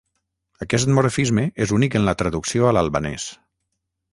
Aquest morfisme és únic en la traducció a l'albanès.